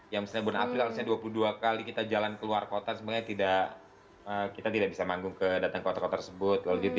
ya misalnya bulan april harusnya dua puluh dua kali kita jalan keluar kota sebenarnya tidak kita tidak bisa manggung ke datang kota kota tersebut